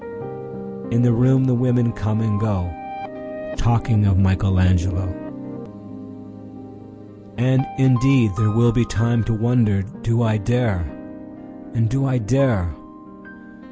In the room the women come and goTalking of Michelangelo.And indeed there will be timeTo wonder, "Do I dare?" and, "Do I dare?"